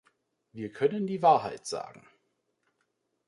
Wir können die Wahrheit sagen.